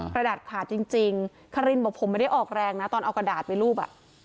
กระดาษขาดจริงคารินบอกผมไม่ได้ออกแรงนะตอนเอากระดาษไปรูป